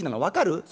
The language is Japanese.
分かる？